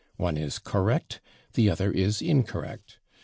One is correct; the other is incorrect.